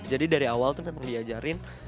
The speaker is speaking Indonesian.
jadi dari awal tuh memang diajarin